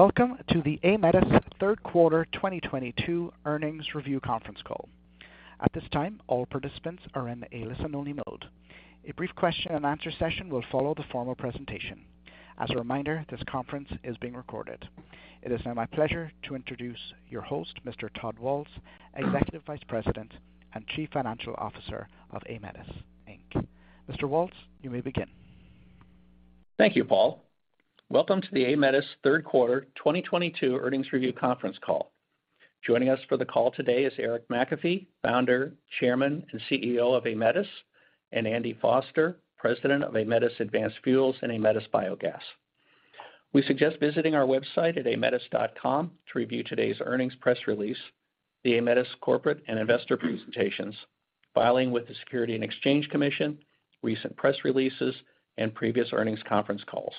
Welcome to the Aemetis third quarter 2022 earnings review conference call. At this time, all participants are in a listen-only mode. A brief question-and-answer session will follow the formal presentation. As a reminder, this conference is being recorded. It is now my pleasure to introduce your host, Mr. Todd Waltz, Executive Vice President and Chief Financial Officer of Aemetis, Inc. Mr. Waltz, you may begin. Thank you, Paul. Welcome to the Aemetis third quarter 2022 earnings review conference call. Joining us for the call today is Eric McAfee, Founder, Chairman, and CEO of Aemetis, and Andy Foster, President of Aemetis Advanced Fuels and Aemetis Biogas. We suggest visiting our website at aemetis.com to review today's earnings press release, the Aemetis corporate and investor presentations, filing with the Securities and Exchange Commission, recent press releases, and previous earnings conference calls.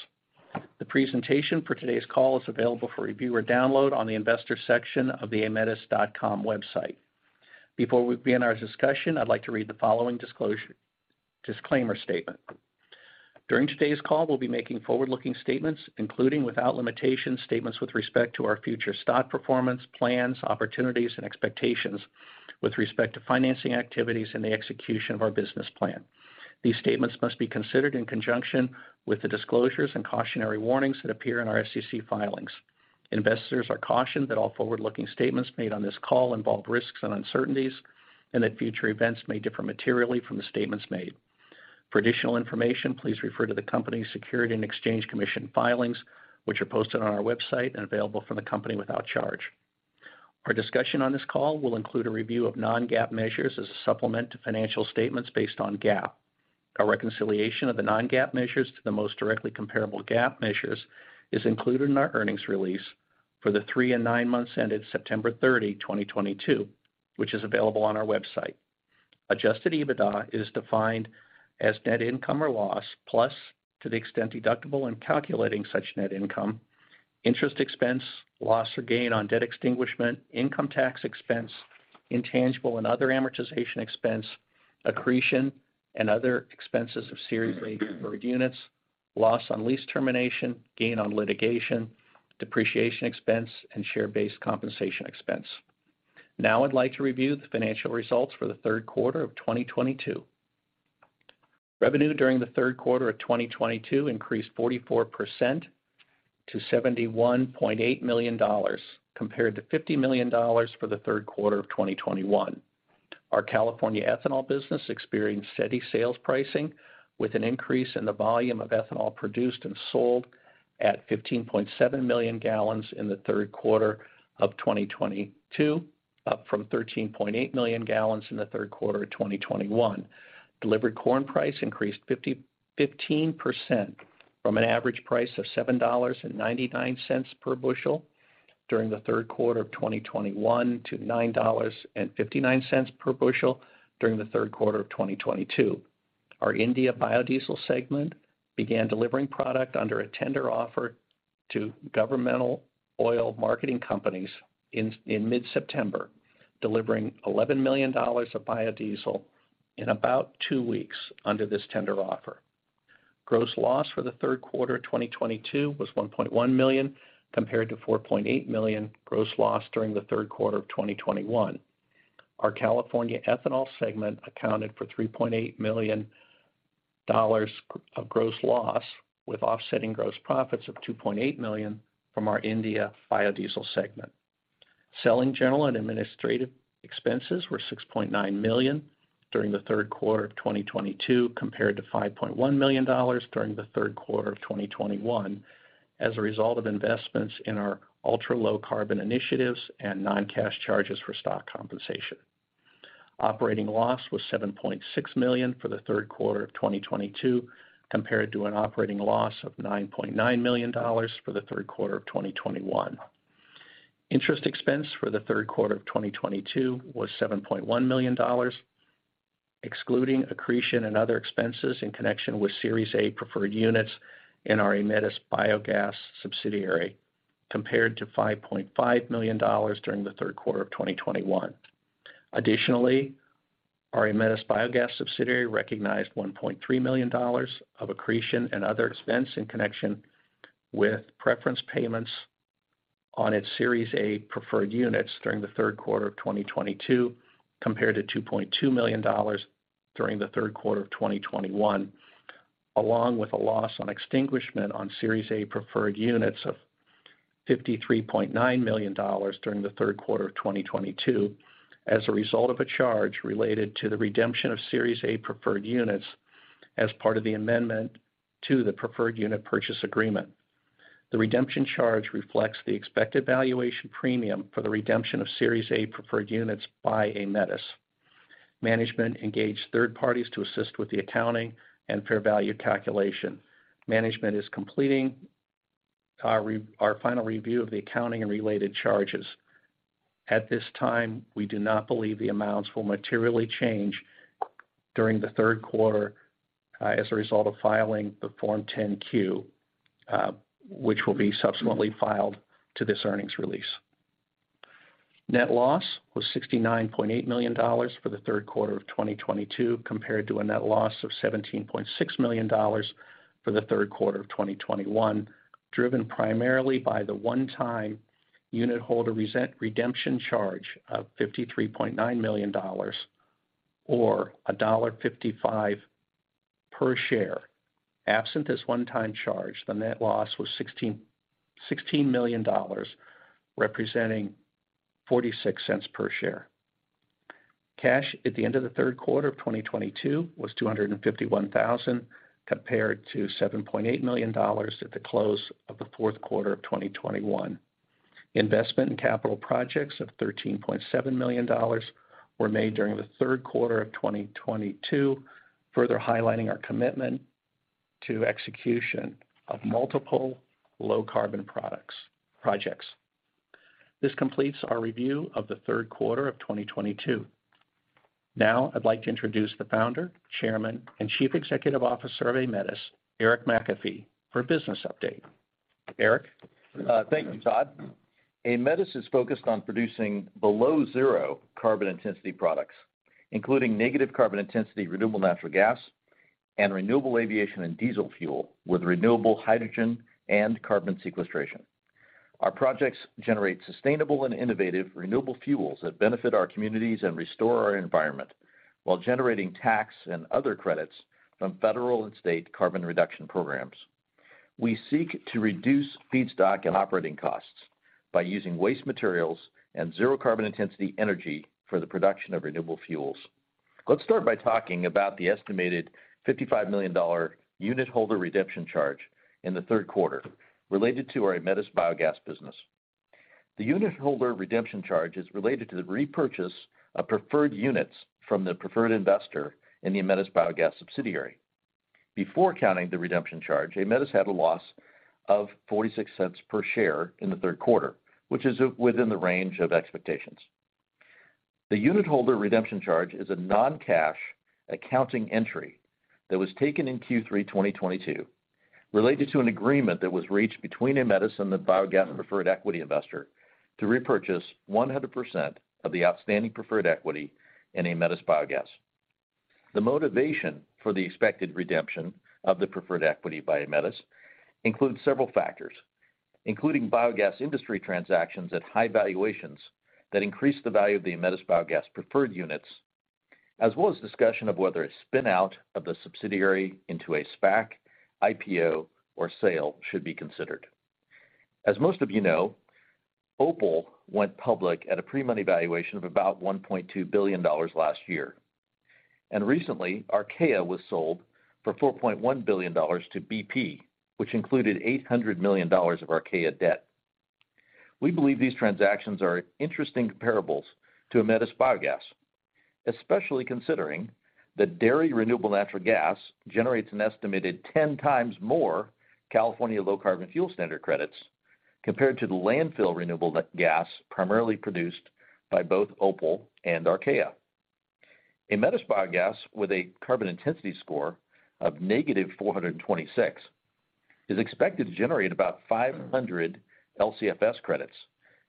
The presentation for today's call is available for review or download on the investor section of the aemetis.com website. Before we begin our discussion, I'd like to read the following disclosure, disclaimer statement. During today's call, we'll be making forward-looking statements, including, without limitation, statements with respect to our future stock performance, plans, opportunities, and expectations with respect to financing activities and the execution of our business plan. These statements must be considered in conjunction with the disclosures and cautionary warnings that appear in our SEC filings. Investors are cautioned that all forward-looking statements made on this call involve risks and uncertainties, and that future events may differ materially from the statements made. For additional information, please refer to the company's Securities and Exchange Commission filings, which are posted on our website and available from the company without charge. Our discussion on this call will include a review of non-GAAP measures as a supplement to financial statements based on GAAP. A reconciliation of the non-GAAP measures to the most directly comparable GAAP measures is included in our earnings release for the three and nine months ended September 30, 2022, which is available on our website. Adjusted EBITDA is defined as net income or loss, plus to the extent deductible in calculating such net income, interest expense, loss or gain on debt extinguishment, income tax expense, intangible and other amortization expense, accretion and other expenses of Series A preferred units, loss on lease termination, gain on litigation, depreciation expense, and share-based compensation expense. Now I'd like to review the financial results for the third quarter of 2022. Revenue during the third quarter of 2022 increased 44% to $71.8 million, compared to $50 million for the third quarter of 2021. Our California ethanol business experienced steady sales pricing with an increase in the volume of ethanol produced and sold at 15.7 million gal in the third quarter of 2022, up from 13.8 million gal in the third quarter of 2021. Delivered corn price increased 20% from an average price of $7.99 per bushel during the third quarter of 2021 to $9.59 per bushel during the third quarter of 2022. Our India Biodiesel segment began delivering product under a tender offer to governmental oil marketing companies in mid-September, delivering $11 million of biodiesel in about two weeks under this tender offer. Gross loss for the third quarter of 2022 was $1.1 million, compared to $4.8 million gross loss during the third quarter of 2021. Our California Ethanol segment accounted for $3.8 million of gross loss, with offsetting gross profits of $2.8 million from our India Biodiesel segment. Selling, general, and administrative expenses were $6.9 million during the third quarter of 2022, compared to $5.1 million during the third quarter of 2021, as a result of investments in our ultra-low carbon initiatives and non-cash charges for stock compensation. Operating loss was $7.6 million for the third quarter of 2022, compared to an operating loss of $9.9 million for the third quarter of 2021. Interest expense for the third quarter of 2022 was $7.1 million, excluding accretion and other expenses in connection with Series A preferred units in our Aemetis Biogas subsidiary, compared to $5.5 million during the third quarter of 2021. Additionally, our Aemetis Biogas subsidiary recognized $1.3 million of accretion and other expense in connection with preference payments on its Series A preferred units during the third quarter of 2022, compared to $2.2 million during the third quarter of 2021, along with a loss on extinguishment on Series A preferred units of $53.9 million during the third quarter of 2022 as a result of a charge related to the redemption of Series A preferred units as part of the amendment to the preferred unit purchase agreement. The redemption charge reflects the expected valuation premium for the redemption of Series A preferred units by Aemetis. Management engaged third parties to assist with the accounting and fair value calculation. Management is completing our final review of the accounting and related charges. At this time, we do not believe the amounts will materially change during the third quarter as a result of filing the Form 10-Q, which will be subsequently filed to this earnings release. Net loss was $69.8 million for the third quarter of 2022 compared to a net loss of $17.6 million for the third quarter of 2021, driven primarily by the one-time unitholder redemption charge of $53.9 million or $1.55 per share. Absent this one-time charge, the net loss was $16 million, representing $0.46 per share. Cash at the end of the third quarter of 2022 was $251,000 compared to $7.8 million at the close of the fourth quarter of 2021. Investment in capital projects of $13.7 million were made during the third quarter of 2022, further highlighting our commitment to execution of multiple low carbon products, projects. This completes our review of the third quarter of 2022. Now I'd like to introduce the Founder, Chairman, and Chief Executive Officer of Aemetis, Eric McAfee, for a business update. Eric? Thank you, Todd. Aemetis is focused on producing below zero carbon intensity products, including negative carbon intensity, renewable natural gas, and renewable aviation and diesel fuel with renewable hydrogen and carbon sequestration. Our projects generate sustainable and innovative renewable fuels that benefit our communities and restore our environment while generating tax and other credits from federal and state carbon reduction programs. We seek to reduce feedstock and operating costs by using waste materials and zero carbon intensity energy for the production of renewable fuels. Let's start by talking about the estimated $55 million unit holder redemption charge in the third quarter related to our Aemetis Biogas business. The unit holder redemption charge is related to the repurchase of preferred units from the preferred investor in the Aemetis Biogas subsidiary. Before counting the redemption charge, Aemetis had a loss of $0.46 per share in the third quarter, which is within the range of expectations. The unit holder redemption charge is a non-cash accounting entry that was taken in Q3 2022 related to an agreement that was reached between Aemetis and the Aemetis Biogas preferred equity investor to repurchase 100% of the outstanding preferred equity in Aemetis Biogas. The motivation for the expected redemption of the preferred equity by Aemetis includes several factors, including Biogas industry transactions at high valuations that increase the value of the Aemetis Biogas preferred units, as well as discussion of whether a spin-out of the subsidiary into a SPAC, IPO, or sale should be considered. As most of you know, OPAL went public at a pre-money valuation of about $1.2 billion last year, and recently, Archaea was sold for $4.1 billion to BP, which included $800 million of Archaea debt. We believe these transactions are interesting comparables to Aemetis Biogas, especially considering that dairy renewable natural gas generates an estimated 10 times more California Low Carbon Fuel Standard credits compared to the landfill renewable gas primarily produced by both OPAL and Archaea. Aemetis Biogas, with a carbon intensity score of -426, is expected to generate about 500 LCFS credits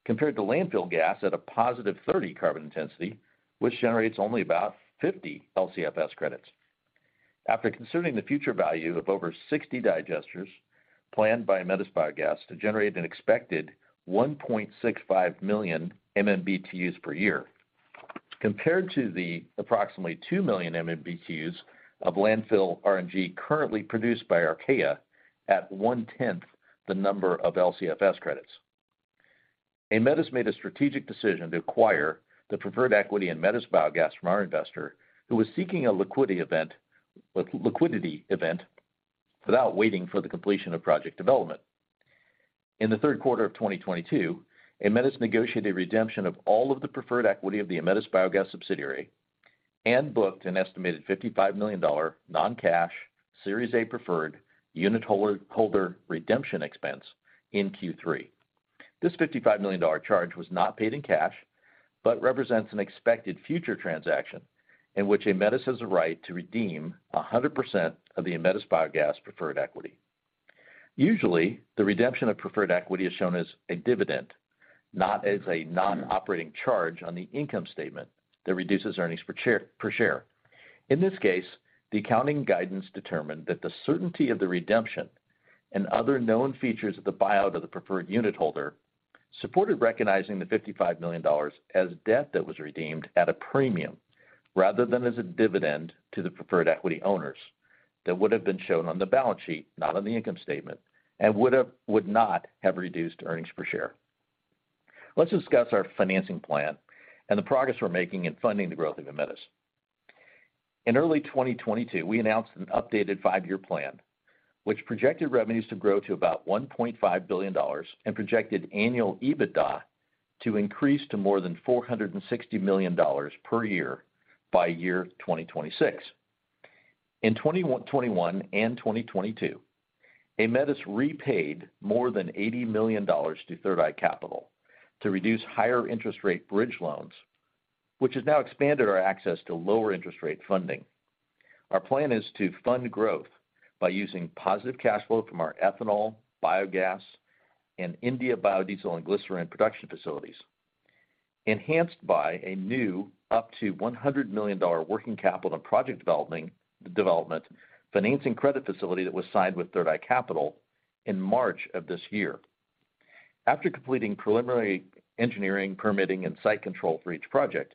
compared to landfill gas at a +30 carbon intensity, which generates only about 50 LCFS credits. After considering the future value of over 60 digesters planned by Aemetis Biogas to generate an expected 1.65 million MMBtus per year, compared to the approximately 2 million MMBtus of landfill RNG currently produced by Archaea at one-tenth the number of LCFS credits, Aemetis made a strategic decision to acquire the preferred equity in Aemetis Biogas from our investor, who was seeking a liquidity event without waiting for the completion of project development. In the third quarter of 2022, Aemetis negotiated redemption of all of the preferred equity of the Aemetis Biogas subsidiary and booked an estimated $55 million non-cash Series A preferred unitholder redemption expense in Q3. This $55 million charge was not paid in cash, but represents an expected future transaction in which Aemetis has the right to redeem 100% of the Aemetis Biogas preferred equity. Usually, the redemption of preferred equity is shown as a dividend, not as a non-operating charge on the income statement that reduces earnings per share. In this case, the accounting guidance determined that the certainty of the redemption and other known features of the buyout of the preferred unit holder supported recognizing the $55 million as debt that was redeemed at a premium rather than as a dividend to the preferred equity owners that would have been shown on the balance sheet, not on the income statement, and would not have reduced earnings per share. Let's discuss our financing plan and the progress we're making in funding the growth of Aemetis. In early 2022, we announced an updated five-year plan which projected revenues to grow to about $1.5 billion and projected annual EBITDA to increase to more than $460 million per year by 2026. In 2021 and 2022, Aemetis repaid more than $80 million to Third Eye Capital to reduce higher interest rate bridge loans, which has now expanded our access to lower interest rate funding. Our plan is to fund growth by using positive cash flow from our ethanol, biogas, and India biodiesel and glycerin production facilities, enhanced by a new up to $100 million working capital and project development financing credit facility that was signed with Third Eye Capital in March of this year. After completing preliminary engineering, permitting, and site control for each project,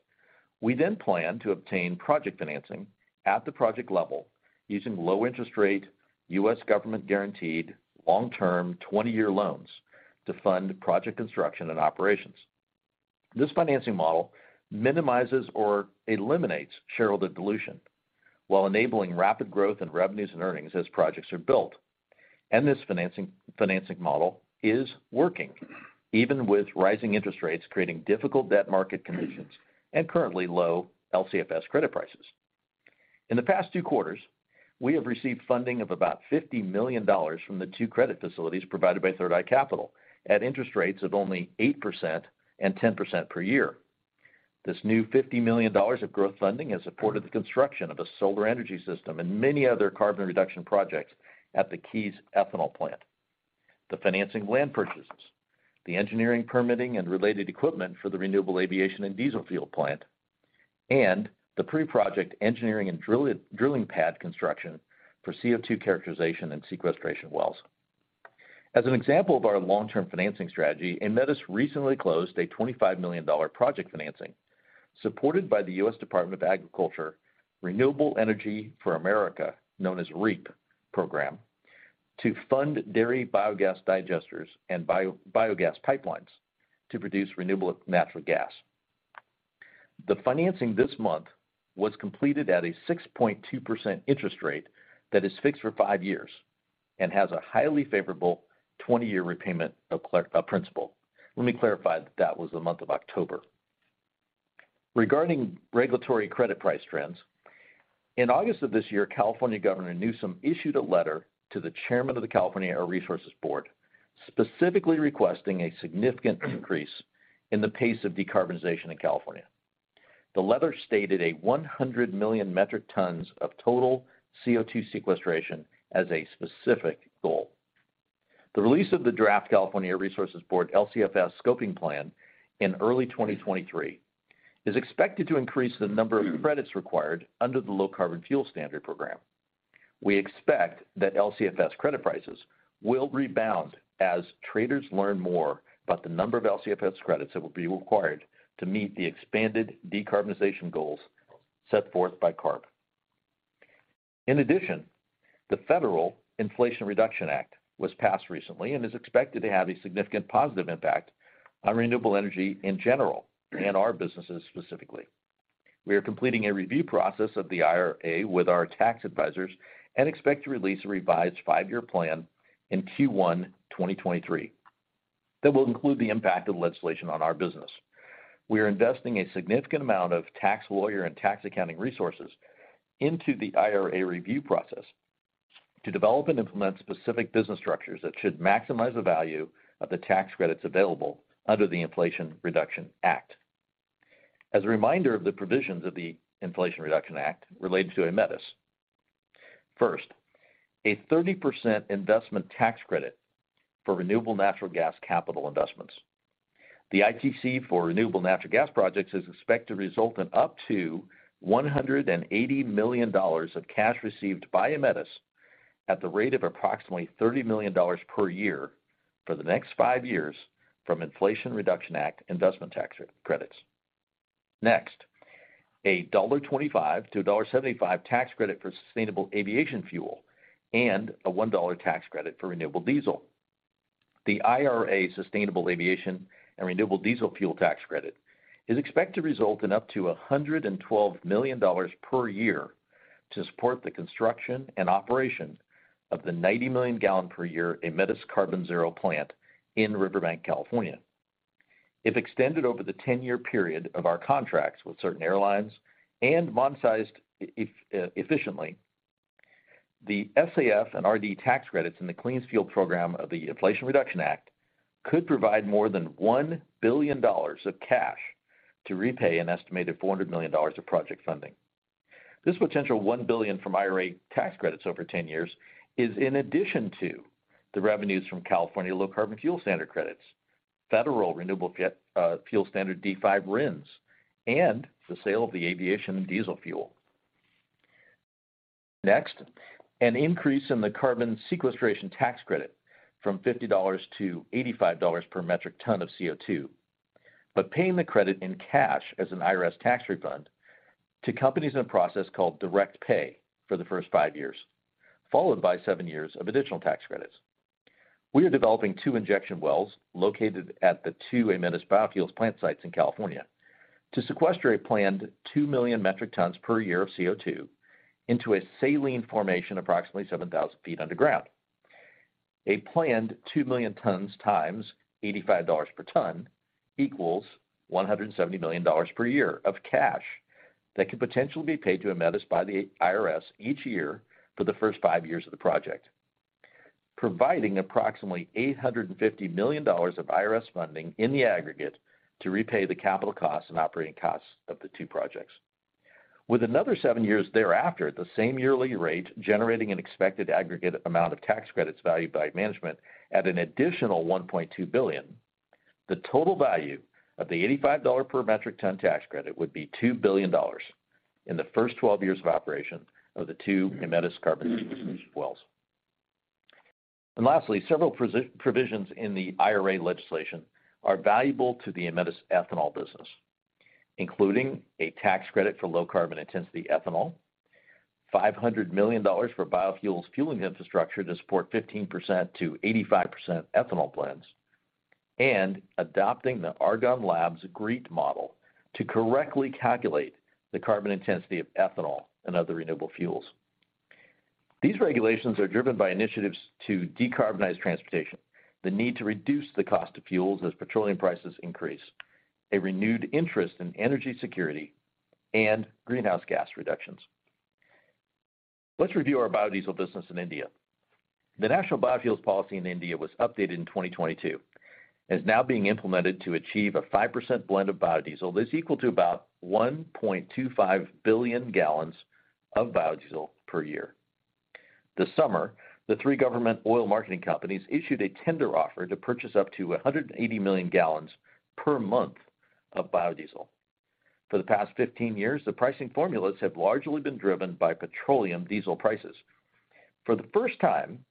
we then plan to obtain project financing at the project level using low-interest-rate, U.S. government guaranteed long-term 20-year loans to fund project construction and operations. This financing model minimizes or eliminates shareholder dilution while enabling rapid growth in revenues and earnings as projects are built. This financing model is working even with rising interest rates creating difficult debt market conditions and currently low LCFS credit prices. In the past two quarters, we have received funding of about $50 million from the two credit facilities provided by Third Eye Capital at interest rates of only 8% and 10% per year. This new $50 million of growth funding has supported the construction of a solar energy system and many other carbon reduction projects at the Keyes Ethanol plant. The financing land purchases, the engineering permitting and related equipment for the renewable aviation and diesel fuel plant, and the pre-project engineering and drilling pad construction for CO₂ characterization and sequestration wells. As an example of our long-term financing strategy, Aemetis recently closed a $25 million project financing supported by the U.S. Department of Agriculture Renewable Energy for America, known as REAP program, to fund dairy biogas digesters and biogas pipelines to produce renewable natural gas. The financing this month was completed at a 6.2% interest rate that is fixed for five years and has a highly favorable 20-year repayment of principal. Let me clarify that was the month of October. Regarding regulatory credit price trends, in August of this year, Governor Newsom issued a letter to the chairman of the California Air Resources Board, specifically requesting a significant increase in the pace of decarbonization in California. The letter stated 100 million metric tons of total CO₂ sequestration as a specific goal. The release of the draft California Air Resources Board LCFS scoping plan in early 2023 is expected to increase the number of credits required under the Low Carbon Fuel Standard program. We expect that LCFS credit prices will rebound as traders learn more about the number of LCFS credits that will be required to meet the expanded decarbonization goals set forth by CARB. In addition, the Inflation Reduction Act was passed recently and is expected to have a significant positive impact on renewable energy in general and our businesses specifically. We are completing a review process of the IRA with our tax advisors and expect to release a revised five-year plan in Q1 2023 that will include the impact of the legislation on our business. We are investing a significant amount of tax lawyer and tax accounting resources into the IRA review process to develop and implement specific business structures that should maximize the value of the tax credits available under the Inflation Reduction Act. As a reminder of the provisions of the Inflation Reduction Act related to Aemetis, first, a 30% investment tax credit for renewable natural gas capital investments. The ITC for renewable natural gas projects is expected to result in up to $180 million of cash received by Aemetis at the rate of approximately $30 million per year for the next five years from Inflation Reduction Act investment tax credits. Next, $1.25-$1.75 tax credit for sustainable aviation fuel and a $1 tax credit for renewable diesel. The IRA Sustainable Aviation and Renewable Diesel Fuel Tax Credit is expected to result in up to $112 million per year to support the construction and operation of the 90 million gal per year Aemetis Carbon Zero plant in Riverbank, California. If extended over the 10-year period of our contracts with certain airlines and monetized efficiently, the SAF and RD tax credits in the Clean Fuel Program of the Inflation Reduction Act could provide more than $1 billion of cash to repay an estimated $400 million of project funding. This potential $1 billion from IRA tax credits over 10 years is in addition to the revenues from California Low Carbon Fuel Standard credits, federal Renewable Fuel Standard D5 RINs, and the sale of the aviation and diesel fuel. Next, an increase in the carbon sequestration tax credit from $50-$85 per metric ton of CO₂, but paying the credit in cash as an IRS tax refund to companies in a process called direct pay for the first five years, followed by seven years of additional tax credits. We are developing two injection wells located at the two Aemetis biofuels plant sites in California to sequester a planned 2 million metric tons per year of CO₂ into a saline formation approximately 7,000 ft underground. A planned 2 million tons times $85 per ton equals $170 million per year of cash that could potentially be paid to Aemetis by the IRS each year for the first five years of the project. Providing approximately $850 million of IRS funding in the aggregate to repay the capital costs and operating costs of the two projects. With another seven years thereafter at the same yearly rate, generating an expected aggregate amount of tax credits valued by management at an additional $1.2 billion, the total value of the $85 per metric ton tax credit would be $2 billion in the first 12 years of operation of the two Aemetis carbon wells. Lastly, several positive provisions in the IRA legislation are valuable to the Aemetis ethanol business, including a tax credit for low carbon intensity ethanol, $500 million for biofuels fueling infrastructure to support 15%-85% ethanol blends, and adopting the Argonne Labs GREET model to correctly calculate the carbon intensity of ethanol and other renewable fuels. These regulations are driven by initiatives to decarbonize transportation, the need to reduce the cost of fuels as petroleum prices increase, a renewed interest in energy security, and greenhouse gas reductions. Let's review our biodiesel business in India. The national biofuels policy in India was updated in 2022, and is now being implemented to achieve a 5% blend of biodiesel that's equal to about 1.25 billion gal of biodiesel per year. This summer, the three government oil marketing companies issued a tender offer to purchase up to 180 million gal per month of biodiesel. For the past 15 years, the pricing formulas have largely been driven by petroleum diesel prices. For the first time,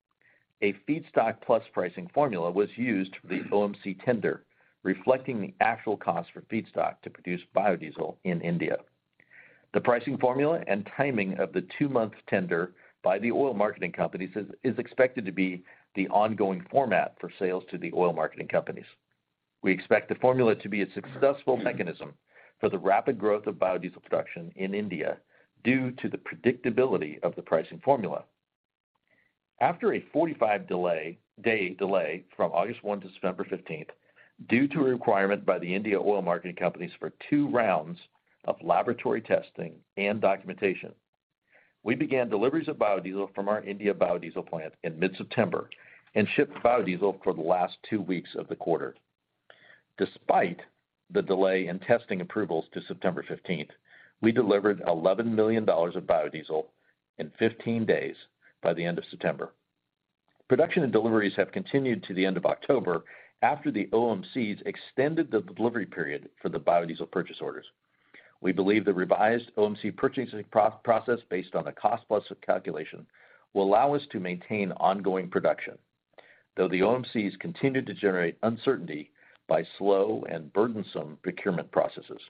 a feedstock plus pricing formula was used for the OMC tender, reflecting the actual cost for feedstock to produce biodiesel in India. The pricing formula and timing of the two-month tender by the oil marketing companies is expected to be the ongoing format for sales to the oil marketing companies. We expect the formula to be a successful mechanism for the rapid growth of biodiesel production in India due to the predictability of the pricing formula. After a 45-day delay from August 1 to September 15th, due to a requirement by the India oil marketing companies for two rounds of laboratory testing and documentation, we began deliveries of biodiesel from our India biodiesel plant in mid-September and shipped biodiesel for the last two weeks of the quarter. Despite the delay in testing approvals to September 15th, we delivered $11 million of biodiesel in 15 days by the end of September. Production and deliveries have continued to the end of October, after the OMCs extended the delivery period for the biodiesel purchase orders. We believe the revised OMC purchasing process, based on a cost plus calculation, will allow us to maintain ongoing production, though the OMCs continue to generate uncertainty by slow and burdensome procurement processes.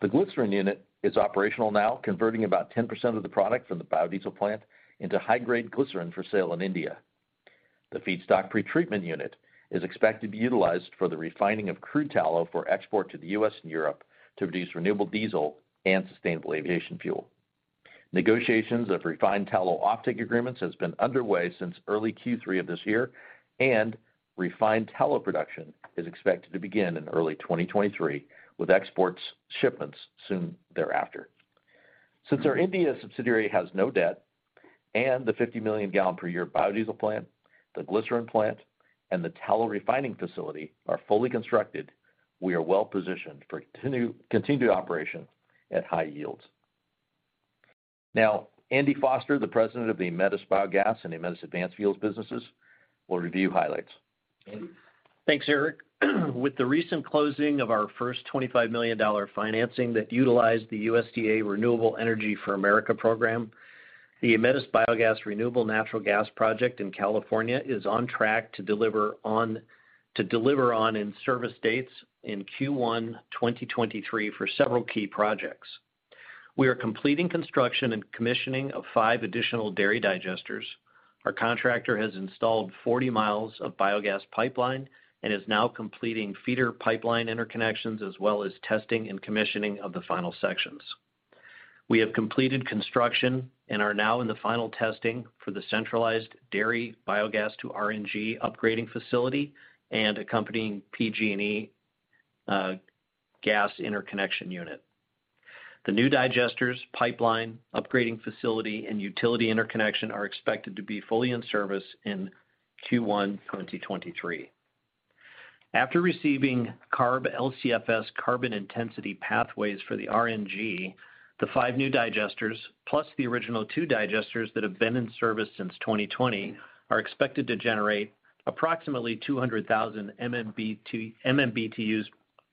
The glycerin unit is operational now, converting about 10% of the product from the biodiesel plant into high-grade glycerin for sale in India. The feedstock pretreatment unit is expected to be utilized for the refining of crude tallow for export to the U.S. and Europe to these renewable diesel and sustainable aviation fuel. Negotiations of refined tallow offtake agreements has been underway since early Q3 of this year, and refined tallow production is expected to begin in early 2023, with export shipments soon thereafter. Since our India subsidiary has no debt and the 50-million-gal-per-year biodiesel plant, the glycerin plant, and the tallow refining facility are fully constructed, we are well positioned for continued operation at high yields. Now, Andy Foster, the President of the Aemetis Biogas and Aemetis Advanced Fuels businesses, will review highlights. Andy? Thanks, Eric. With the recent closing of our first $25 million financing that utilized the USDA Renewable Energy for America program, the Aemetis Biogas renewable natural gas project in California is on track to deliver on in-service dates in Q1 2023 for several key projects. We are completing construction and commissioning of five additional dairy digesters. Our contractor has installed 40 miles of biogas pipeline and is now completing feeder pipeline interconnections, as well as testing and commissioning of the final sections. We have completed construction and are now in the final testing for the centralized dairy biogas to RNG upgrading facility and accompanying PG&E gas interconnection unit. The new digesters, pipeline upgrading facility, and utility interconnection are expected to be fully in service in Q1 2023. After receiving CARB LCFS carbon intensity pathways for the RNG, the five new digesters, plus the original two digesters that have been in service since 2020, are expected to generate approximately 200,000 MMBtus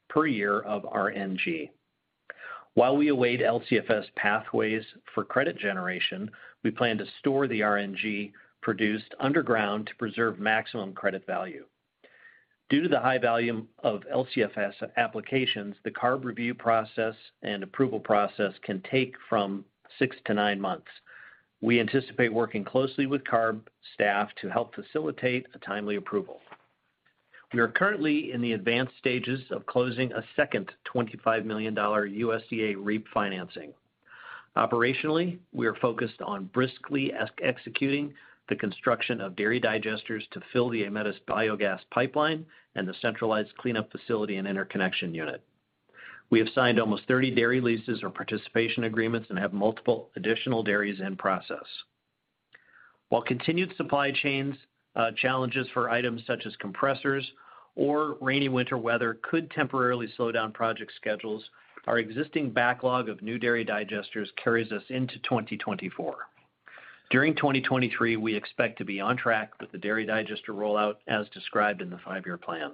per year of RNG. While we await LCFS pathways for credit generation, we plan to store the RNG produced underground to preserve maximum credit value. Due to the high volume of LCFS applications, the CARB review process and approval process can take from six to nine months. We anticipate working closely with CARB staff to help facilitate a timely approval. We are currently in the advanced stages of closing a second $25 million USDA REAP financing. Operationally, we are focused on briskly executing the construction of dairy digesters to fill the Aemetis biogas pipeline and the centralized cleanup facility and interconnection unit. We have signed almost 30 dairy leases or participation agreements and have multiple additional dairies in process. While continued supply chains challenges for items such as compressors or rainy winter weather could temporarily slow down project schedules, our existing backlog of new dairy digesters carries us into 2024. During 2023, we expect to be on track with the dairy digester rollout as described in the five-year plan.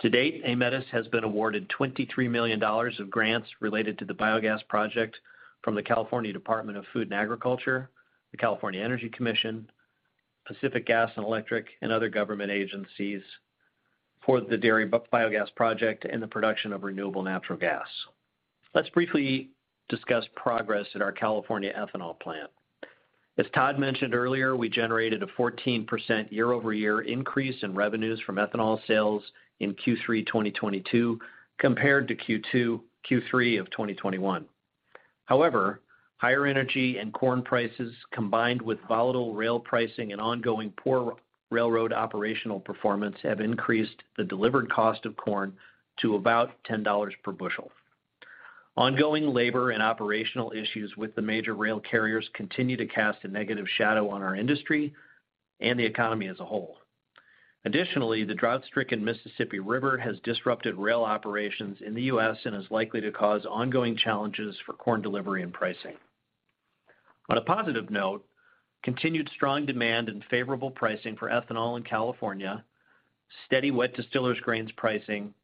To date, Aemetis has been awarded $23 million of grants related to the biogas project from the California Department of Food and Agriculture, the California Energy Commission, Pacific Gas and Electric, and other government agencies for the dairy biogas project and the production of renewable natural gas. Let's briefly discuss progress at our California ethanol plant. As Todd mentioned earlier, we generated a 14% year-over-year increase in revenues from ethanol sales in Q3 2022 compared to Q3 of 2021. However, higher energy and corn prices, combined with volatile rail pricing and ongoing poor railroad operational performance, have increased the delivered cost of corn to about $10 per bushel. Ongoing labor and operational issues with the major rail carriers continue to cast a negative shadow on our industry and the economy as a whole. Additionally, the drought-stricken Mississippi River has disrupted rail operations in the U.S. and is likely to cause ongoing challenges for corn delivery and pricing. On a positive note, continued strong demand and favorable pricing for ethanol in California, steady wet distillers grains pricing,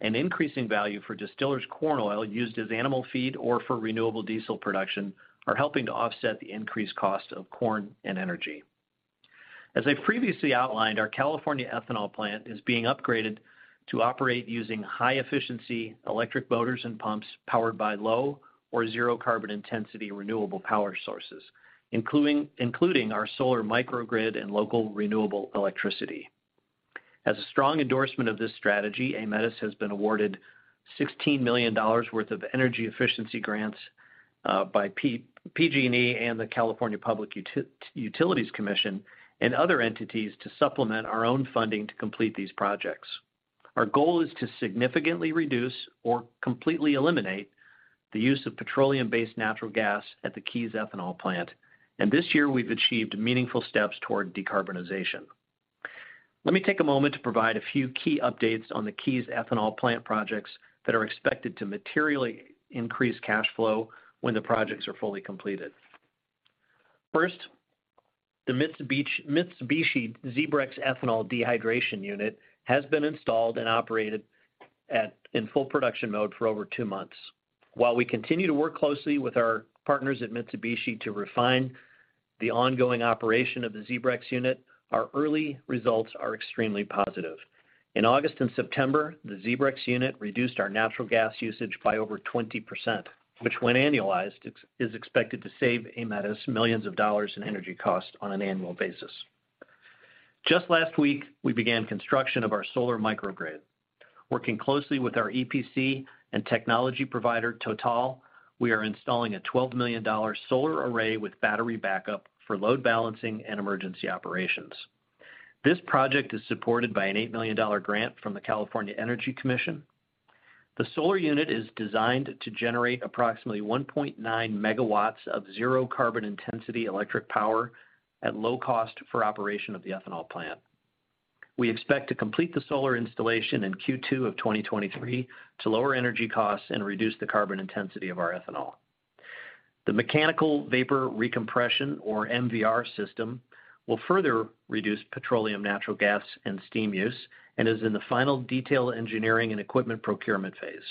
and increasing value for distillers corn oil used as animal feed or for renewable diesel production are helping to offset the increased cost of corn and energy. As I previously outlined, our California ethanol plant is being upgraded to operate using high-efficiency electric motors and pumps powered by low or zero carbon intensity renewable power sources, including our solar microgrid and local renewable electricity. As a strong endorsement of this strategy, Aemetis has been awarded $16 million worth of energy efficiency grants by PG&E and the California Public Utilities Commission and other entities to supplement our own funding to complete these projects. Our goal is to significantly reduce or completely eliminate the use of petroleum-based natural gas at the Keyes Ethanol Plant, and this year we've achieved meaningful steps toward decarbonization. Let me take a moment to provide a few key updates on the Keyes Ethanol Plant projects that are expected to materially increase cash flow when the projects are fully completed. First, the Mitsubishi ZEBREX ethanol dehydration unit has been installed and operated in full production mode for over two months. While we continue to work closely with our partners at Mitsubishi to refine the ongoing operation of the ZEBREX unit, our early results are extremely positive. In August and September, the ZEBREX unit reduced our natural gas usage by over 20%, which when annualized is expected to save Aemetis millions of dollars in energy costs on an annual basis. Just last week, we began construction of our solar microgrid. Working closely with our EPC and technology provider, TotalEnergies, we are installing a $12 million solar array with battery backup for load balancing and emergency operations. This project is supported by an $8 million grant from the California Energy Commission. The solar unit is designed to generate approximately 1.9 MW of zero carbon intensity electric power at low cost for operation of the ethanol plant. We expect to complete the solar installation in Q2 of 2023 to lower energy costs and reduce the carbon intensity of our ethanol. The mechanical vapor recompression, or MVR system, will further reduce petroleum natural gas and steam use and is in the final detail engineering and equipment procurement phase.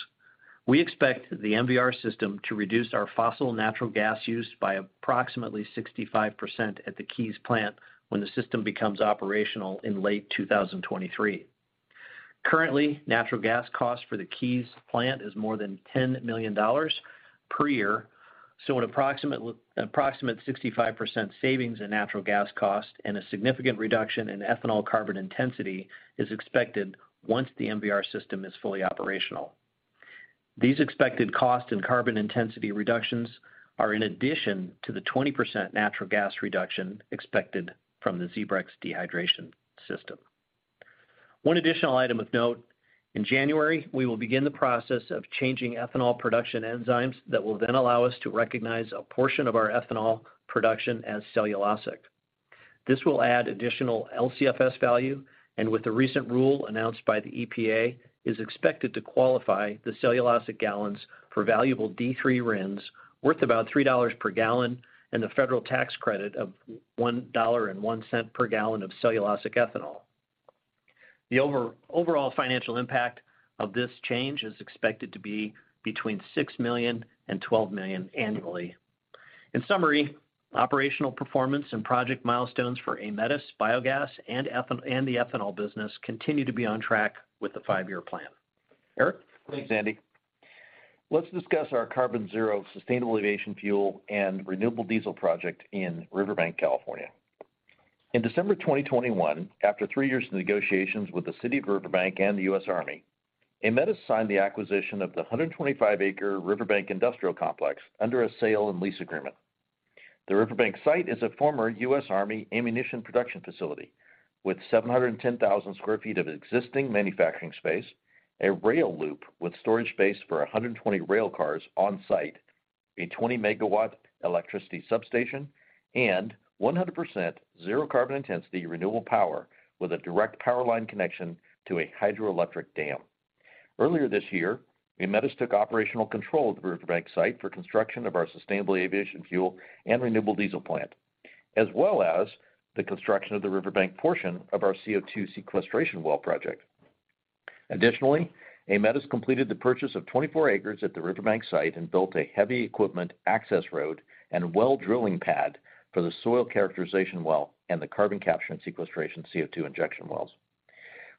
We expect the MVR system to reduce our fossil natural gas use by approximately 65% at the Keyes plant when the system becomes operational in late 2023. Currently, natural gas cost for the Keyes plant is more than $10 million per year, so an approximate 65% savings in natural gas cost and a significant reduction in ethanol carbon intensity is expected once the MVR system is fully operational. These expected cost and carbon intensity reductions are in addition to the 20% natural gas reduction expected from the ZEBREX dehydration system. One additional item of note, in January we will begin the process of changing ethanol production enzymes that will then allow us to recognize a portion of our ethanol production as cellulosic. This will add additional LCFS value, and with the recent rule announced by the EPA, is expected to qualify the cellulosic gal for valuable D3 RINs worth about $3 per gal and the federal tax credit of $1.01 per gal of cellulosic ethanol. The overall financial impact of this change is expected to be between $6 million and $12 million annually. In summary, operational performance and project milestones for Aemetis Biogas and the ethanol business continue to be on track with the five-year plan. Eric? Thanks, Andy. Let's discuss our Carbon Zero sustainable aviation fuel and renewable diesel project in Riverbank, California. In December 2021, after three years of negotiations with the City of Riverbank and the U.S. Army, Aemetis signed the acquisition of the 125-acre Riverbank Industrial Complex under a sale and lease agreement. The Riverbank site is a former U.S. Army ammunition production facility with 710,000 sq ft of existing manufacturing space, a rail loop with storage space for 120 rail cars on site, a 20 MW electricity substation, and 100% zero carbon intensity renewable power with a direct power line connection to a hydroelectric dam. Earlier this year, Aemetis took operational control of the Riverbank site for construction of our sustainable aviation fuel and renewable diesel plant, as well as the construction of the Riverbank portion of our CO₂ sequestration well project. Aemetis completed the purchase of 24 acres at the Riverbank site and built a heavy equipment access road and well drilling pad for the soil characterization well and the carbon capture and sequestration CO₂ injection wells.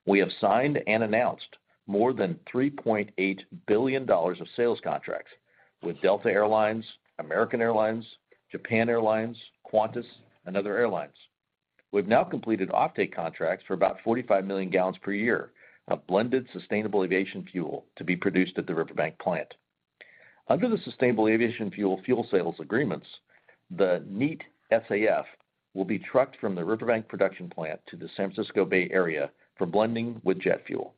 We have signed and announced more than $3.8 billion of sales contracts with Delta Air Lines, American Airlines, Japan Airlines, Qantas, and other airlines. We've now completed offtake contracts for about 45 million gal per year of blended sustainable aviation fuel to be produced at the Riverbank plant. Under the sustainable aviation fuel sales agreements, the Neat SAF will be trucked from the Riverbank production plant to the San Francisco Bay Area for blending with jet fuel.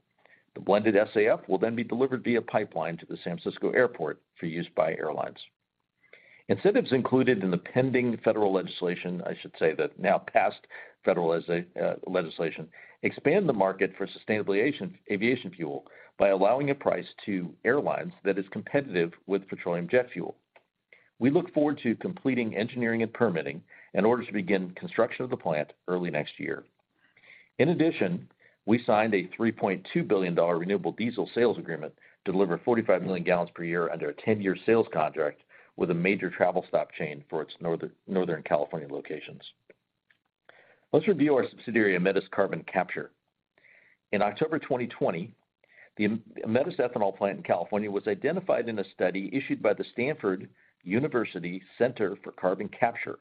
The blended SAF will then be delivered via pipeline to the San Francisco Airport for use by airlines. Incentives included in the pending federal legislation, I should say the now passed federal legislation, expand the market for sustainable aviation fuel by allowing a price to airlines that is competitive with petroleum jet fuel. We look forward to completing engineering and permitting in order to begin construction of the plant early next year. In addition, we signed a $3.2 billion renewable diesel sales agreement to deliver 45 million gal per year under a 10-year sales contract with a major travel stop chain for its Northern California locations. Let's review our subsidiary, Aemetis Carbon Capture. In October 2020, the Aemetis ethanol plant in California was identified in a study issued by the Stanford Center for Carbon Capture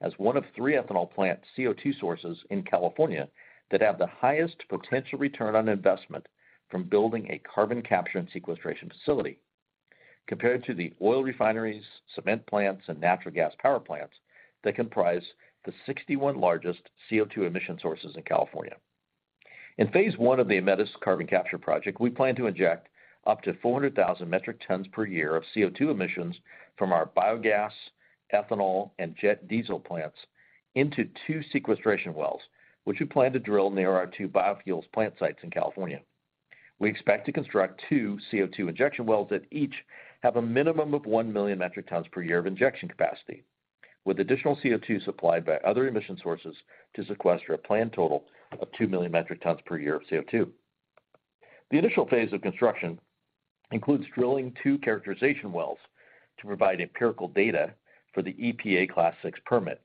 as one of three ethanol plant CO₂ sources in California that have the highest potential return on investment from building a carbon capture and sequestration facility compared to the oil refineries, cement plants, and natural gas power plants that comprise the 61 largest CO₂ emission sources in California. In phase one of the Aemetis Carbon Capture project, we plan to inject up to 400,000 metric tons per year of CO₂ emissions from our biogas, ethanol, and jet diesel plants into two sequestration wells, which we plan to drill near our two biofuels plant sites in California. We expect to construct two CO₂ injection wells that each have a minimum of 1 million metric tons per year of injection capacity, with additional CO₂ supplied by other emission sources to sequester a planned total of 2 million metric tons per year of CO₂. The initial phase of construction includes drilling two characterization wells to provide empirical data for the EPA Class VI permit.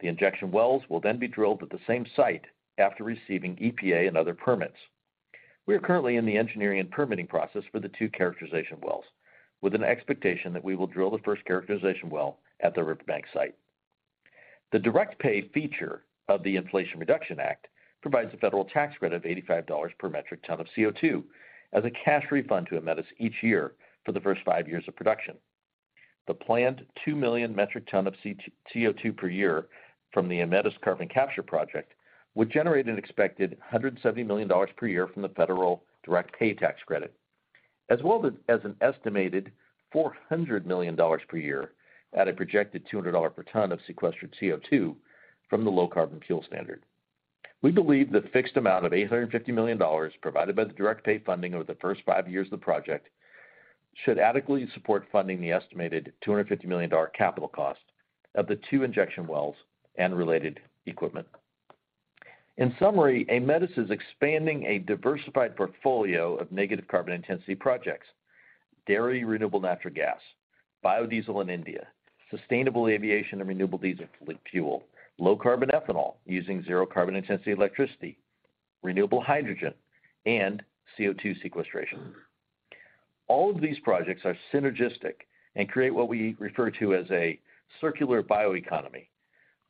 The injection wells will then be drilled at the same site after receiving EPA and other permits. We are currently in the engineering and permitting process for the two characterization wells, with an expectation that we will drill the first characterization well at the Riverbank site. The direct pay feature of the Inflation Reduction Act provides a federal tax credit of $85 per metric ton of CO₂ as a cash refund to Aemetis each year for the first five years of production. The planned 2 million metric tons of CO₂ per year from the Aemetis Carbon Capture project would generate an expected $170 million per year from the federal direct pay tax credit, as well as an estimated $400 million per year at a projected $200 per ton of sequestered CO₂ from the Low Carbon Fuel Standard. We believe the fixed amount of $850 million provided by the direct pay funding over the first five years of the project should adequately support funding the estimated $250 million capital cost of the two injection wells and related equipment. In summary, Aemetis is expanding a diversified portfolio of negative carbon intensity projects, dairy renewable natural gas, biodiesel in India, sustainable aviation and renewable diesel fuel, low carbon ethanol using zero carbon intensity electricity, renewable hydrogen, and CO₂ sequestration. All of these projects are synergistic and create what we refer to as a circular bioeconomy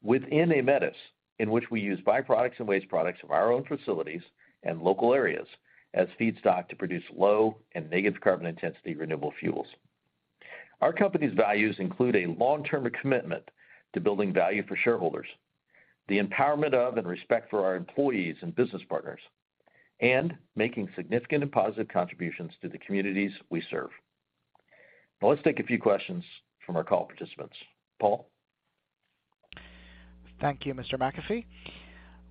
within Aemetis, in which we use byproducts and waste products from our own facilities and local areas as feedstock to produce low and negative carbon intensity renewable fuels. Our company's values include a long-term commitment to building value for shareholders, the empowerment of and respect for our employees and business partners, and making significant and positive contributions to the communities we serve. Now let's take a few questions from our call participants. Paul? Thank you, Mr. McAfee.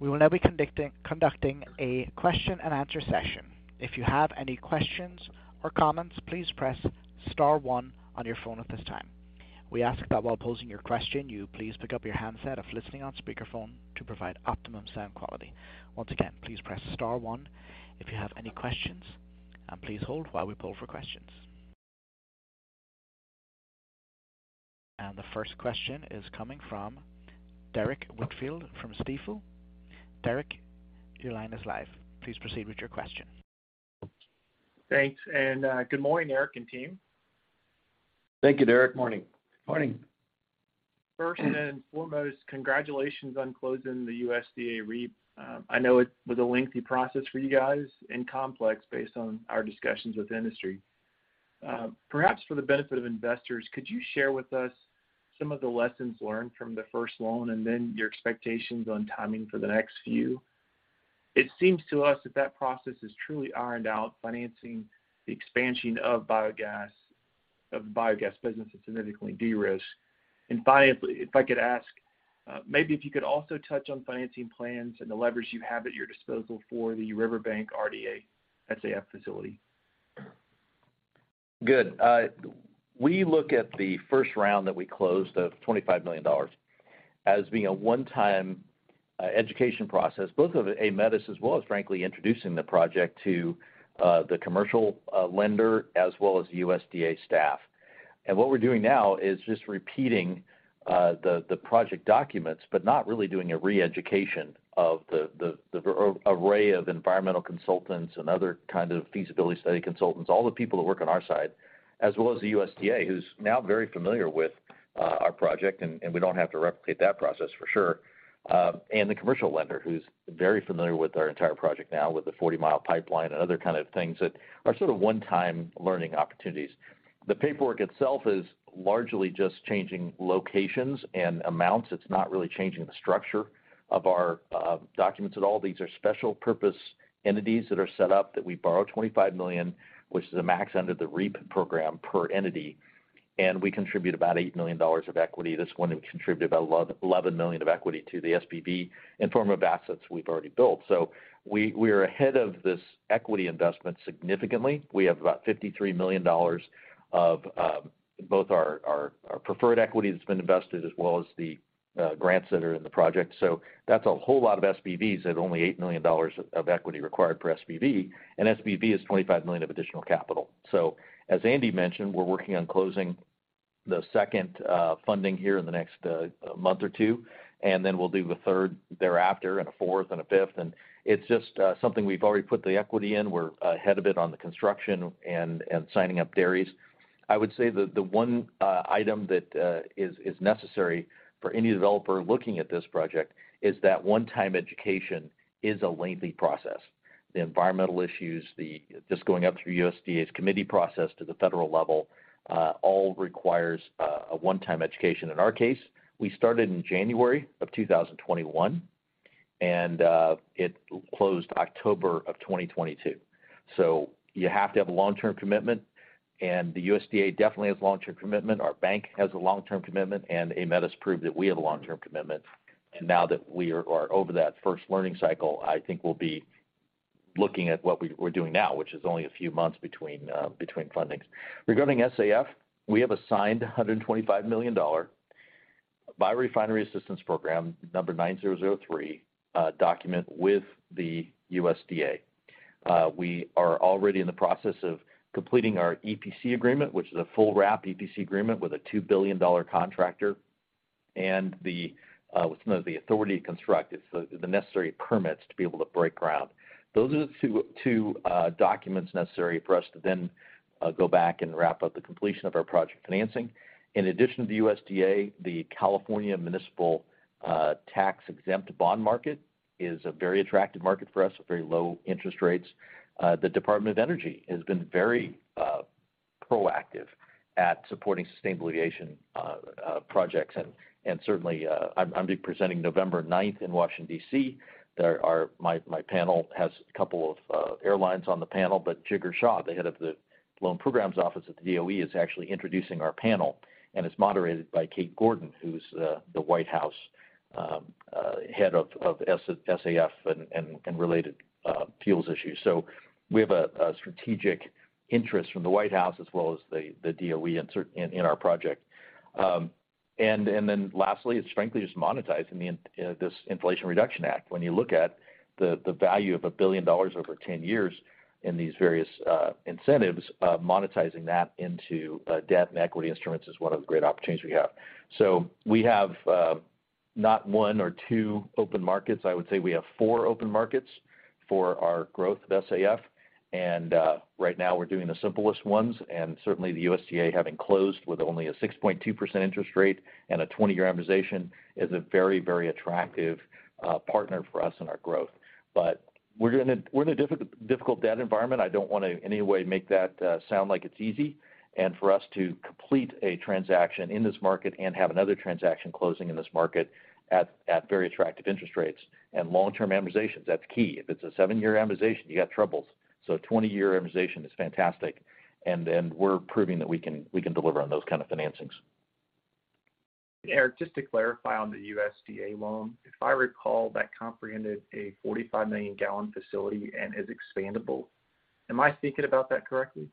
We will now be conducting a question and answer session. If you have any questions or comments, please press star one on your phone at this time. We ask that while posing your question, you please pick up your handset if listening on speakerphone to provide optimum sound quality. Once again, please press star one if you have any questions, and please hold while we poll for questions. The first question is coming from Derrick Whitfield from Stifel. Derrick, your line is live. Please proceed with your question. Thanks, good morning, Eric and team. Thank you, Derrick. Morning. Morning. First and foremost, congratulations on closing the USDA REAP. I know it was a lengthy process for you guys and complex based on our discussions with industry. Perhaps for the benefit of investors, could you share with us some of the lessons learned from the first loan, and then your expectations on timing for the next few? It seems to us if that process is truly ironed out, financing the expansion of the biogas business is significantly de-risked. Finally, if I could ask, maybe if you could also touch on financing plans and the leverage you have at your disposal for the Riverbank RDA SAF facility. Good. We look at the first round that we closed of $25 million as being a one-time education process, both of Aemetis as well as frankly introducing the project to the commercial lender as well as the USDA staff. What we're doing now is just repeating the project documents, but not really doing a reeducation of the array of environmental consultants and other kind of feasibility study consultants, all the people that work on our side, as well as the USDA, who's now very familiar with our project, and we don't have to replicate that process for sure. The commercial lender, who's very familiar with our entire project now with the 40 mi pipeline and other kind of things that are sort of one-time learning opportunities. The paperwork itself is largely just changing locations and amounts. It's not really changing the structure of our documents at all. These are special purpose entities that are set up that we borrow $25 million, which is the max under the REAP program per entity. We contribute about $8 million of equity. This one, we contribute about $11 million of equity to the SPV in form of assets we've already built. We're ahead of this equity investment significantly. We have about $53 million of both our preferred equity that's been invested as well as the grants that are in the project. That's a whole lot of SPVs at only $8 million of equity required per SPV. An SPV is $25 million of additional capital. As Andy mentioned, we're working on closing the second funding here in the next month or two, and then we'll do the third thereafter, and a fourth and a fifth. It's just something we've already put the equity in. We're ahead of it on the construction and signing up dairies. I would say that the one item that is necessary for any developer looking at this project is that one-time education is a lengthy process. The environmental issues, just going up through USDA's committee process to the federal level, all requires a one-time education. In our case, we started in January 2021, and it closed October 2022. You have to have a long-term commitment, and the USDA definitely has long-term commitment. Our bank has a long-term commitment, and Aemetis proved that we have a long-term commitment. Now that we are over that first learning cycle, I think we'll be looking at what we're doing now, which is only a few months between fundings. Regarding SAF, we have a signed $125 million Biorefinery Assistance Program 9003 document with the USDA. We are already in the process of completing our EPC agreement, which is a full wrap EPC agreement with a $2 billion contractor. The authority to construct it, so the necessary permits to be able to break ground. Those are the two documents necessary for us to then go back and wrap up the completion of our project financing. In addition to the USDA, the California Municipal Tax-Exempt Bond market is a very attractive market for us with very low interest rates. The Department of Energy has been very proactive in supporting sustainable aviation projects. I'll be presenting November 9th in Washington, D.C. My panel has a couple of airlines on the panel. Jigar Shah, the head of the Loan Programs Office at the DOE, is actually introducing our panel, and it's moderated by Kate Gordon, who's the White House head of SAF and related fuels issues. We have a strategic interest from the White House as well as the DOE in our project. Then lastly, it's frankly just monetizing this Inflation Reduction Act. When you look at the value of $1 billion over 10 years in these various incentives, monetizing that into debt and equity instruments is one of the great opportunities we have. We have not one or two open markets. I would say we have four open markets for our growth of SAF. Right now we're doing the simplest ones, and certainly the USDA having closed with only a 6.2% interest rate and a 20-year amortization is a very, very attractive partner for us in our growth. But we're in a difficult debt environment. I don't wanna in any way make that sound like it's easy. For us to complete a transaction in this market and have another transaction closing in this market at very attractive interest rates and long-term amortizations, that's key. If it's a seven-year amortization, you got troubles. A 20-year amortization is fantastic. Then we're proving that we can deliver on those kind of financings. Eric, just to clarify on the USDA loan, if I recall, that comprised a 45 million gal facility and is expandable. Am I thinking about that correctly?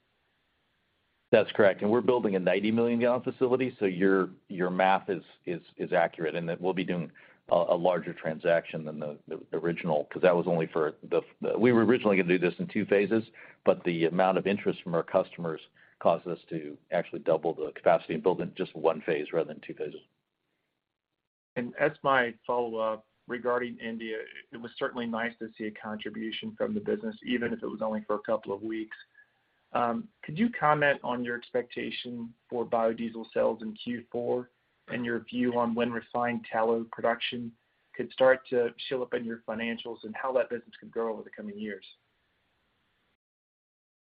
That's correct. We're building a 90 million gal facility, so your math is accurate. That we'll be doing a larger transaction than the original, 'cause that was only for the. We were originally gonna do this in two phases, but the amount of interest from our customers caused us to actually double the capacity and build it in just one phase rather than two phases. As my follow-up regarding India, it was certainly nice to see a contribution from the business, even if it was only for a couple of weeks. Could you comment on your expectation for biodiesel sales in Q4 and your view on when refined tallow production could start to show up in your financials and how that business could grow over the coming years?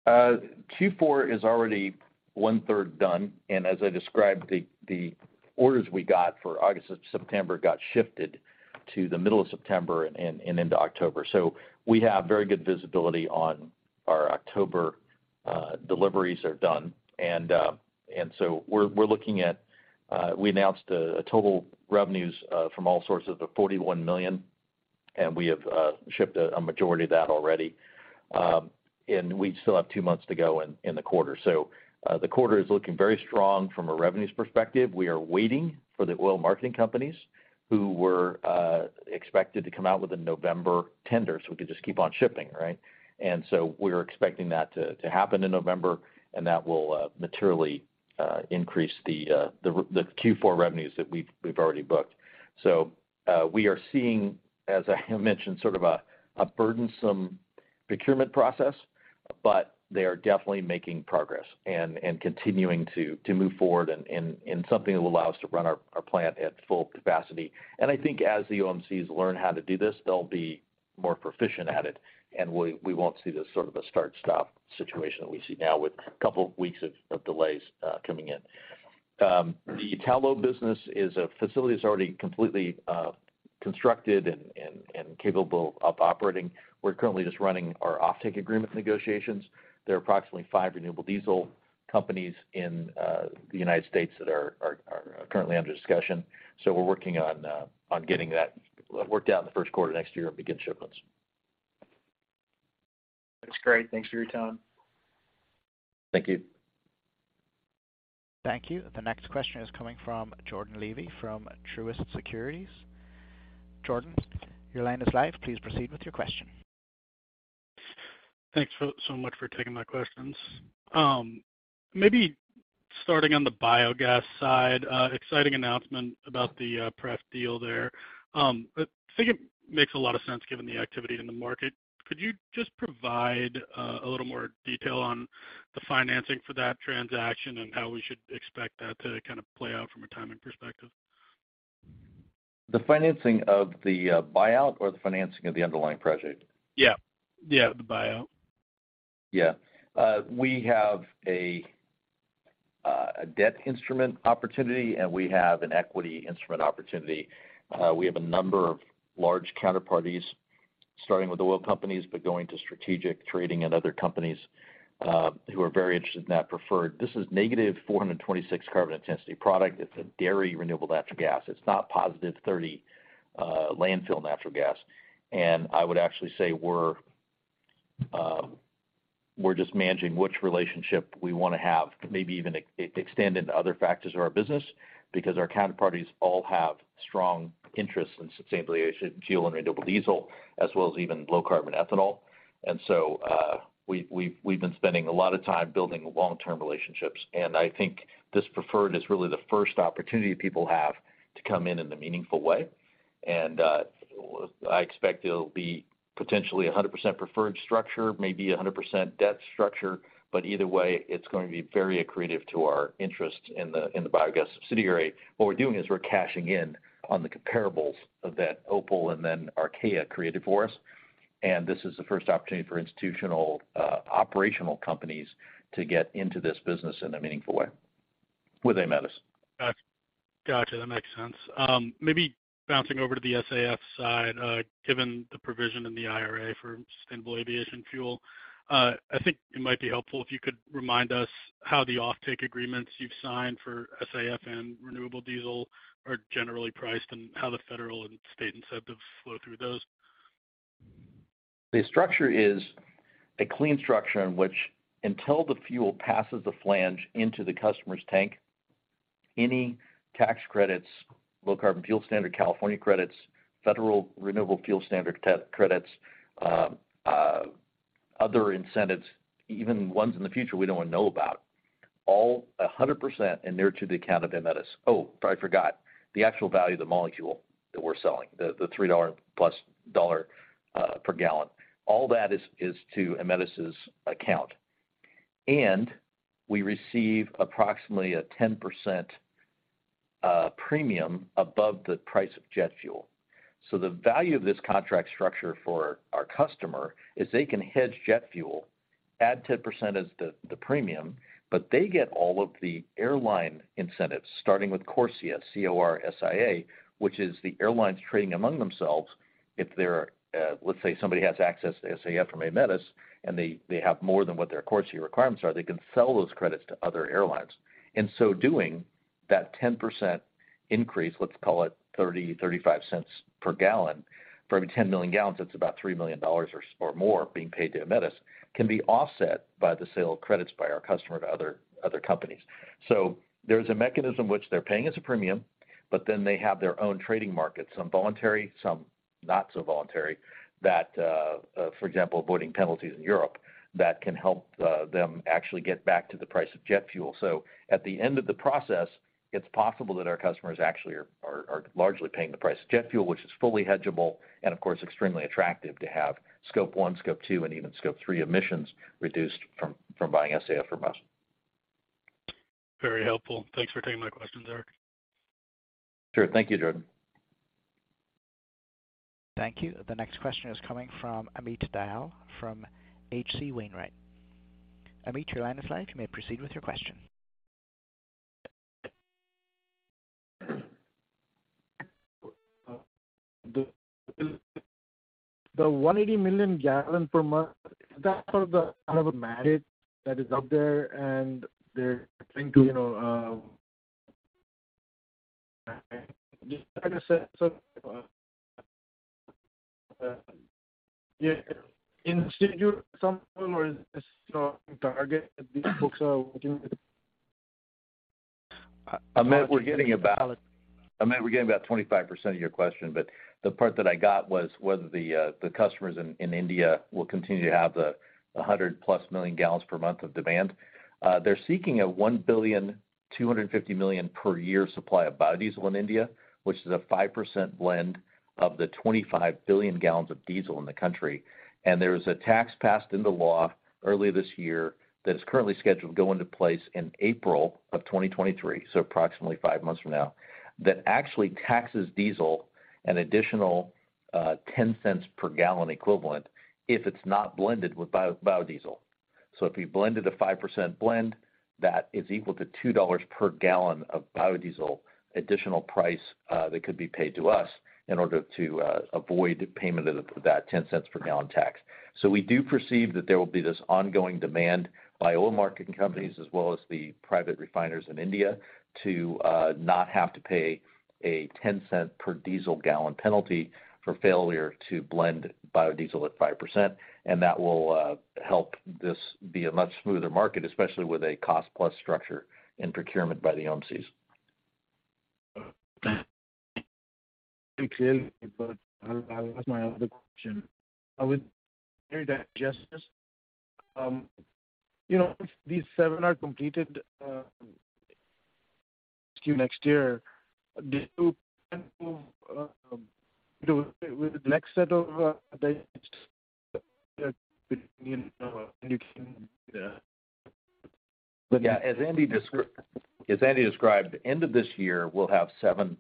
Q4 is already one-third done, and as I described, the orders we got for August and September got shifted to the middle of September and into October. We have very good visibility on our October deliveries, they are done. We announced a total revenues from all sources of $41 million, and we have shipped a majority of that already. We still have two months to go in the quarter. The quarter is looking very strong from a revenues perspective. We are waiting for the oil marketing companies who were expected to come out with a November tender so we could just keep on shipping, right? We're expecting that to happen in November, and that will materially increase the Q4 revenues that we've already booked. We are seeing, as I mentioned, sort of a burdensome procurement process, but they are definitely making progress and continuing to move forward and something that will allow us to run our plant at full capacity. I think as the OMCs learn how to do this, they'll be more proficient at it, and we won't see this sort of a start-stop situation that we see now with a couple of weeks of delays coming in. The tallow business is a facility that's already completely constructed and capable of operating. We're currently just running our offtake agreement negotiations. There are approximately five renewable diesel companies in the United States that are currently under discussion. We're working on getting that worked out in the first quarter next year and begin shipments. That's great. Thanks for your time. Thank you. Thank you. The next question is coming from Jordan Levy from Truist Securities. Jordan, your line is live. Please proceed with your question. Thanks so much for taking my questions. Maybe starting on the biogas side, exciting announcement about the pref deal there. I think it makes a lot of sense given the activity in the market. Could you just provide a little more detail on the financing for that transaction and how we should expect that to kind of play out from a timing perspective? The financing of the buyout or the financing of the underlying project? Yeah. Yeah, the buyout. Yeah. We have a debt instrument opportunity, and we have an equity instrument opportunity. We have a number of large counterparties starting with oil companies, but going to strategic trading and other companies who are very interested in that preferred. This is -426 carbon intensity product. It's a dairy renewable natural gas. It's not +30 landfill natural gas. I would actually say we're just managing which relationship we want to have, maybe even extend into other factors of our business because our counterparties all have strong interests in sustainable aviation fuel and renewable diesel, as well as even low carbon ethanol. We've been spending a lot of time building long-term relationships, and I think this preferred is really the first opportunity people have to come in in a meaningful way. I expect it'll be potentially 100% preferred structure, maybe 100% debt structure. Either way, it's going to be very accretive to our interests in the Biogas subsidiary. What we're doing is we're cashing in on the comparables of that OPAL and then Archaea created for us. This is the first opportunity for institutional, operational companies to get into this business in a meaningful way with Aemetis. Got you. That makes sense. Maybe bouncing over to the SAF side, given the provision in the IRA for sustainable aviation fuel, I think it might be helpful if you could remind us how the offtake agreements you've signed for SAF and renewable diesel are generally priced and how the federal and state incentives flow through those. The structure is a clean structure in which until the fuel passes the flange into the customer's tank, any tax credits, Low Carbon Fuel Standard, California credits, federal Renewable Fuel Standard credits, other incentives, even ones in the future we don't even know about, all 100% and they are to the account of Aemetis. Oh, I forgot. The actual value of the molecule that we're selling, the $3 plus $1 per gal, all that is to Aemetis' account. We receive approximately a 10% premium above the price of jet fuel. The value of this contract structure for our customer is they can hedge jet fuel, add 10% as the premium, but they get all of the airline incentives, starting with CORSIA, C-O-R-S-I-A, which is the airlines trading among themselves. If they're, let's say, somebody has access to SAF from Aemetis, and they have more than what their CORSIA requirements are, they can sell those credits to other airlines. In so doing, that 10% increase, let's call it $0.35 per gal. For every 10 million gal, it's about $3 million or more being paid to Aemetis, can be offset by the sale of credits by our customer to other companies. There's a mechanism which they're paying as a premium, but then they have their own trading markets, some voluntary, some not so voluntary, that, for example, avoiding penalties in Europe, that can help them actually get back to the price of jet fuel. At the end of the process, it's possible that our customers actually are largely paying the price of jet fuel, which is fully hedgeable and of course, extremely attractive to have scope one, scope two, and even scope three emissions reduced from buying SAF from us. Very helpful. Thanks for taking my questions, Eric. Sure. Thank you, Jordan. Thank you. The next question is coming from Amit Dayal from H.C. Wainwright. Amit, your line is live. You may proceed with your question. The 180 million gal per month, is that for the kind of a mandate that is out there, and they're trying to, you know, just kind of set some, yeah. In schedule some or is, you know, target that these folks are working with- Amit, we're getting about 25% of your question, but the part that I got was whether the customers in India will continue to have the 100+ million gal per month of demand. They're seeking a 1.25 billion per year supply of biodiesel in India, which is a 5% blend of the 25 billion gal of diesel in the country. There is a tax passed into law earlier this year that is currently scheduled to go into place in April of 2023, so approximately five months from now, that actually taxes diesel an additional $0.10 per gal equivalent if it's not blended with biodiesel. If you blended a 5% blend, that is equal to $2 per gal of biodiesel, additional price that could be paid to us in order to avoid payment of that $0.10 per gal tax. We do perceive that there will be this ongoing demand by oil marketing companies as well as the private refiners in India to not have to pay a $0.10 per diesel gal penalty for failure to blend biodiesel at 5%. That will help this be a much smoother market, especially with a cost-plus structure and procurement by the OMCs. Thank you. I lost my other question. I would like to hear that just as. You know, these seven are completed, Q1 next year. Do you plan to do with the next set of digesters? Yeah. As Andy described, end of this year, we'll have seven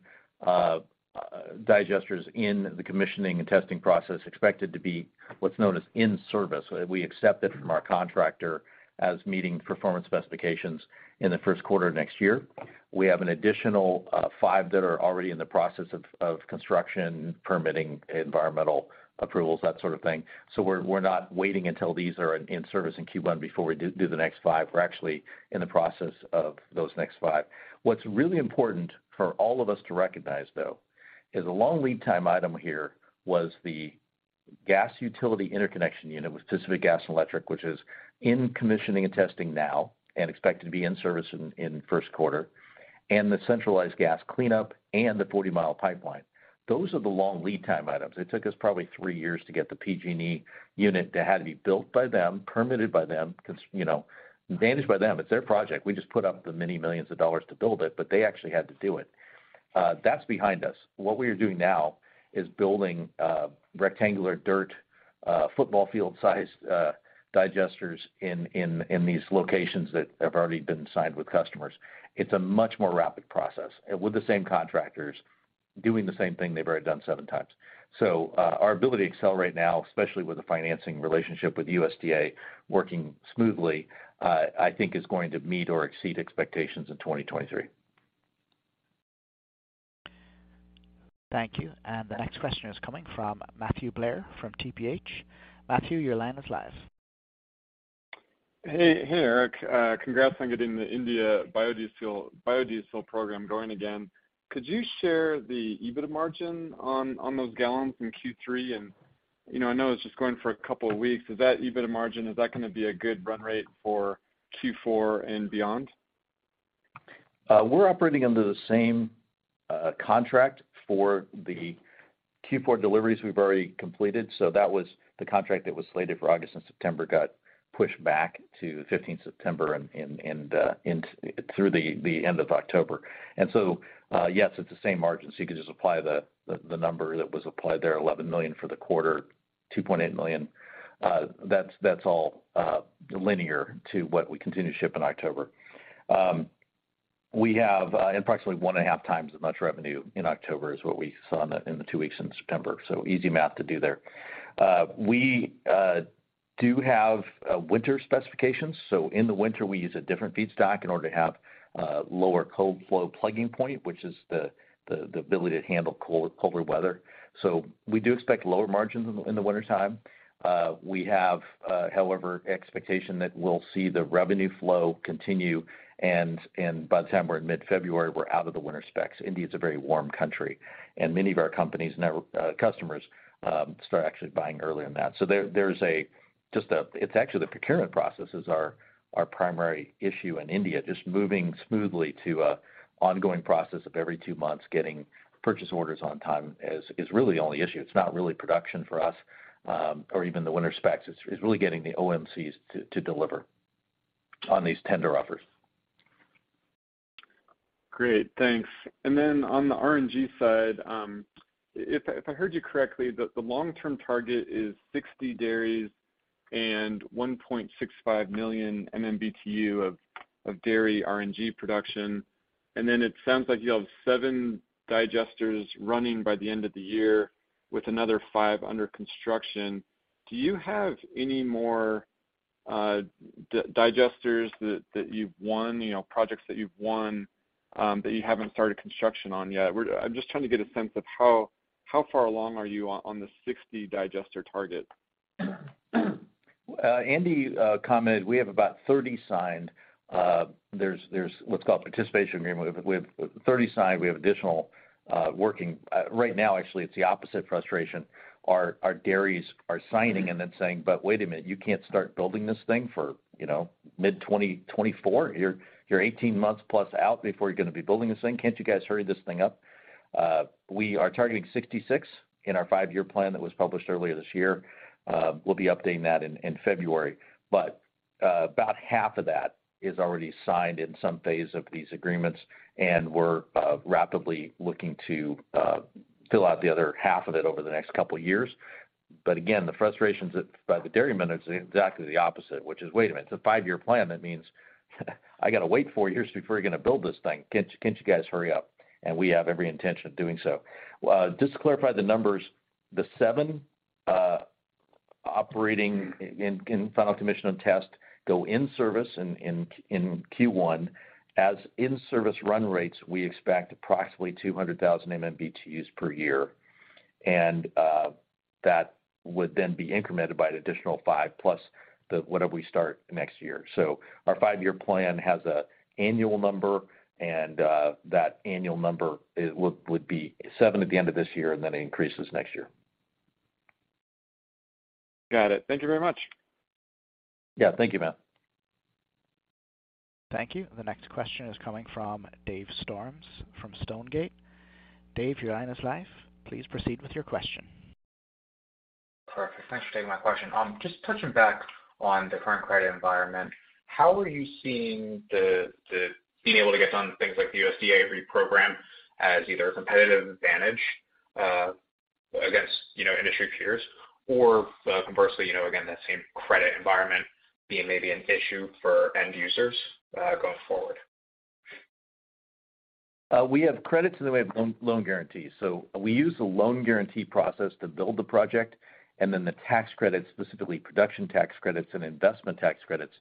digesters in the commissioning and testing process expected to be what's known as in service. We accept it from our contractor as meeting performance specifications in the first quarter of next year. We have an additional five that are already in the process of construction, permitting, environmental approvals, that sort of thing. We're not waiting until these are in service in Q1 before we do the next five. We're actually in the process of those next five. What's really important for all of us to recognize, though, is a long lead time item here was the gas utility interconnection unit with Pacific Gas and Electric, which is in commissioning and testing now and expected to be in service in the first quarter, and the centralized gas cleanup and the 40 mi pipeline. Those are the long lead time items. It took us probably three years to get the PG&E unit that had to be built by them, permitted by them, you know, managed by them. It's their project. We just put up the many millions of dollars to build it, but they actually had to do it. That's behind us. What we are doing now is building rectangular dirt football field-sized digesters in these locations that have already been signed with customers. It's a much more rapid process with the same contractors doing the same thing they've already done seven times. Our ability to accelerate now, especially with the financing relationship with USDA working smoothly, I think is going to meet or exceed expectations in 2023. Thank you. The next question is coming from Matthew Blair from TPH. Matthew, your line is live. Hey. Hey, Eric. Congrats on getting the India Biodiesel program going again. Could you share the EBIT margin on those gal in Q3? You know, I know it's just going for a couple of weeks. Is that EBIT margin gonna be a good run rate for Q4 and beyond? We're operating under the same contract for the Q4 deliveries we've already completed. That was the contract that was slated for August and September got pushed back to 15th September through the end of October. Yes, it's the same margin. You could just apply the number that was applied there, $11 million for the quarter, $2.8 million. That's all linear to what we continue to ship in October. We have approximately 1.5 times as much revenue in October as what we saw in the two weeks in September. Easy math to do there. We do have winter specifications. In the winter, we use a different feedstock in order to have a lower cold flow plugging point, which is the ability to handle colder weather. We do expect lower margins in the wintertime. We have, however, expectation that we'll see the revenue flow continue, and by the time we're in mid-February, we're out of the winter specs. India is a very warm country, and many of our companies and our customers start actually buying early on that. There's just a. It's actually the procurement process is our primary issue in India. Just moving smoothly to an ongoing process of every two months, getting purchase orders on time is really the only issue. It's not really production for us, or even the winter specs. It's really getting the OMCs to deliver on these tender offers. Great. Thanks. Then on the RNG side, if I heard you correctly, the long-term target is 60 dairies and 1.65 million MMBtu of dairy RNG production. It sounds like you have seven digesters running by the end of the year with another five under construction. Do you have any more digesters that you've won, you know, projects that you've won that you haven't started construction on yet? I'm just trying to get a sense of how far along are you on the 60 digester target? Andy commented we have about 30 signed. There's what's called participation agreement. We have 30 signed. We have additional working. Right now, actually, it's the opposite frustration. Our dairies are signing and then saying, "But wait a minute, you can't start building this thing for, you know, mid-2024. You're 18 months plus out before you're gonna be building this thing. Can't you guys hurry this thing up?" We are targeting 66 in our five-year plan that was published earlier this year. We'll be updating that in February. About half of that is already signed in some phase of these agreements, and we're rapidly looking to fill out the other half of it over the next couple years. Again, the frustrations that, by the dairymen is exactly the opposite, which is, "Wait a minute, it's a five-year plan. That means I gotta wait four years before you're gonna build this thing. Can't you guys hurry up?" We have every intention of doing so. Just to clarify the numbers, the seven operating in final commission and test go in service in Q1. As in-service run rates, we expect approximately 200,000 MMBtu per year. That would then be incremented by an additional five plus whatever we start next year. Our five-year plan has an annual number, and that annual number would be seven at the end of this year, and then it increases next year. Got it. Thank you very much. Yeah. Thank you, Matt. Thank you. The next question is coming from Dave Storms from Stonegate. Dave, your line is live. Please proceed with your question. Perfect. Thanks for taking my question. Just touching back on the current credit environment, how are you seeing the being able to get on things like the USDA REAP program as either a competitive advantage, against, you know, industry peers or, conversely, you know, again, that same credit environment being maybe an issue for end users, going forward? We have credits and then we have loan guarantees. We use the loan guarantee process to build the project, and then the tax credits, specifically production tax credits and investment tax credits,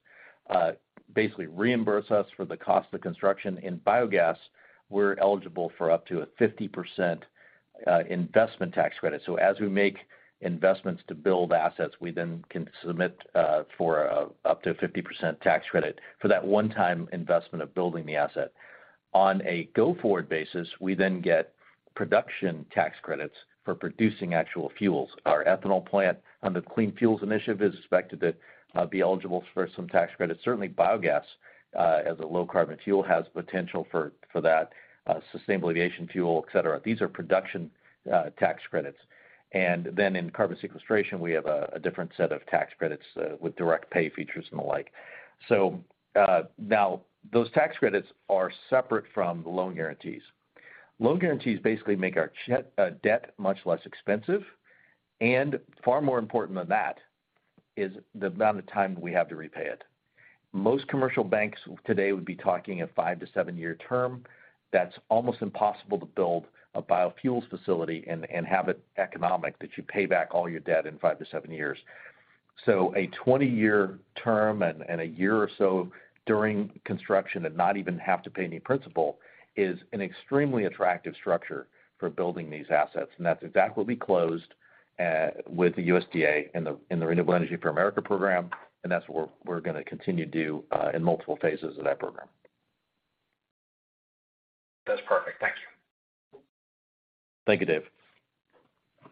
basically reimburse us for the cost of construction. In biogas, we're eligible for up to a 50% investment tax credit. As we make investments to build assets, we then can submit for up to a 50% tax credit for that one-time investment of building the asset. On a go-forward basis, we then get production tax credits for producing actual fuels. Our ethanol plant under the Clean Fuels Initiative is expected to be eligible for some tax credits. Certainly biogas, as a low carbon fuel, has potential for that sustainable aviation fuel, et cetera. These are production tax credits. Then in carbon sequestration we have a different set of tax credits with Direct Pay features and the like. Now, those tax credits are separate from the loan guarantees. Loan guarantees basically make our debt much less expensive, and far more important than that is the amount of time we have to repay it. Most commercial banks today would be talking five to seven year term. That's almost impossible to build a biofuels facility and have it economic that you pay back all your debt in five to seven years. A 20-year term and a year or so during construction and not even have to pay any principal is an extremely attractive structure for building these assets. That's exactly what we closed with the USDA and the Rural Energy for America Program, and that's what we're gonna continue to do in multiple phases of that program. That's perfect. Thank you. Thank you, Dave.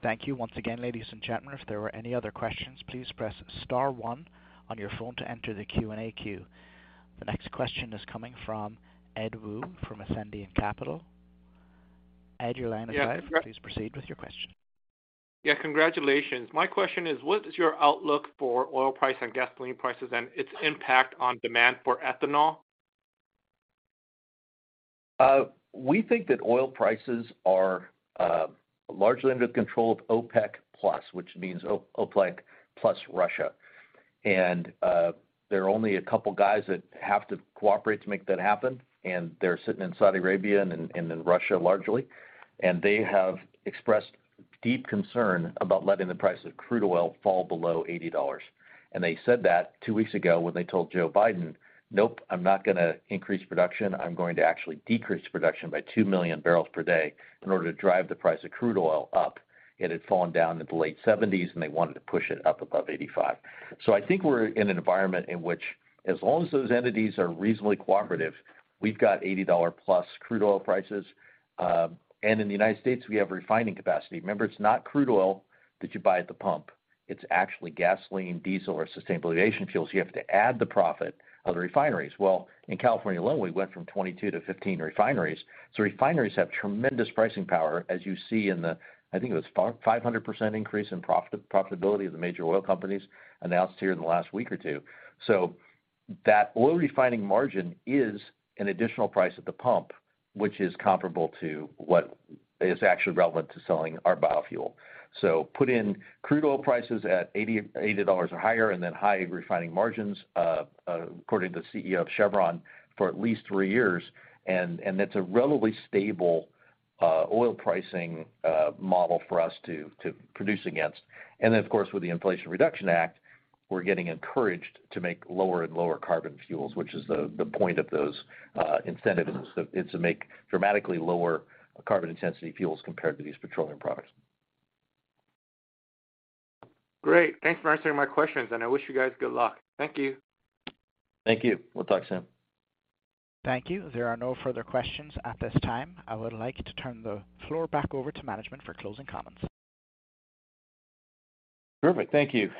Thank you once again, ladies and gentlemen. If there were any other questions, please press star one on your phone to enter the Q&A queue. The next question is coming from Edward Woo from Ascendiant Capital. Edward, your line is live. Yeah. Please proceed with your question. Yeah. Congratulations. My question is, what is your outlook for oil price and gasoline prices and its impact on demand for ethanol? We think that oil prices are largely under the control of OPEC+, which means OPEC+ Russia. There are only a couple guys that have to cooperate to make that happen, and they're sitting in Saudi Arabia and in Russia largely. They have expressed deep concern about letting the price of crude oil fall below $80. They said that two weeks ago when they told Joe Biden, "Nope, I'm not gonna increase production. I'm going to actually decrease production by 2 million barrels per day in order to drive the price of crude oil up." It had fallen down into late 70s, and they wanted to push it up above 85. I think we're in an environment in which as long as those entities are reasonably cooperative, we've got $80 plus crude oil prices. In the United States we have refining capacity. Remember, it's not crude oil that you buy at the pump. It's actually gasoline, diesel, or sustainable aviation fuels. You have to add the profit of the refineries. Well, in California alone, we went from 22-15 refineries. Refineries have tremendous pricing power, as you see in the, I think it was 500% increase in profit, profitability of the major oil companies announced here in the last week or two. That oil refining margin is an additional price at the pump, which is comparable to what is actually relevant to selling our biofuel. Put in crude oil prices at $80 or higher and then high refining margins, according to the CEO of Chevron, for at least three years, and that's a relatively stable oil pricing model for us to produce against. Then, of course, with the Inflation Reduction Act, we're getting encouraged to make lower and lower carbon fuels, which is the point of those incentives is to make dramatically lower carbon intensity fuels compared to these petroleum products. Great. Thanks for answering my questions, and I wish you guys good luck. Thank you. Thank you. We'll talk soon. Thank you. There are no further questions at this time. I would like to turn the floor back over to management for closing comments. Perfect. Thank you.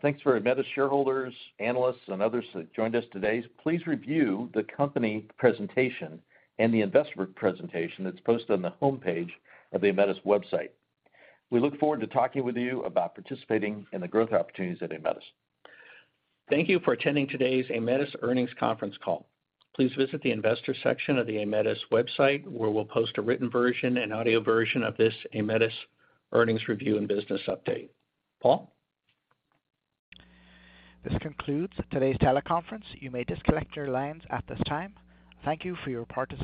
Thanks for Aemetis shareholders, analysts, and others that joined us today. Please review the company presentation and the investor presentation that's posted on the homepage of the Aemetis website. We look forward to talking with you about participating in the growth opportunities at Aemetis. Thank you for attending today's Aemetis earnings conference call. Please visit the investor section of the Aemetis website, where we'll post a written version and audio version of this Aemetis earnings review and business update. Paul? This concludes today's teleconference. You may disconnect your lines at this time. Thank you for your participation.